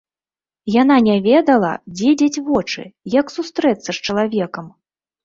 Яна не ведала, дзе дзець вочы, як сустрэцца з чалавекам.